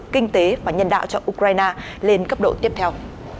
kinh tế và nhân đạo cho ukraine lên cấp độ tiếp theo